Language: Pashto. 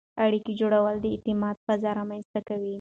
اړیکې جوړول د اعتماد فضا رامنځته کوي.